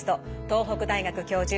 東北大学教授